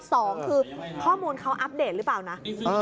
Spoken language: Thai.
สองคือข้อมูลเขาอัปเดตหรือเปล่านะ